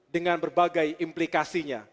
dengan berbagai implikasinya